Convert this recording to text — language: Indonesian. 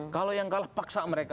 kalau yang kalah paksa mereka